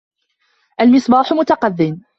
الْمِصْبَاحُ مُتَّقِدٌ.